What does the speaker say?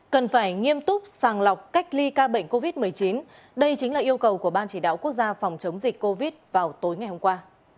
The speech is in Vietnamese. cần phải nghiêm túc sàng lọc cách ly ca bệnh covid một mươi chín đây chính là yêu cầu của ban chỉ đạo quốc gia phòng chống dịch covid vào tối ngày hôm qua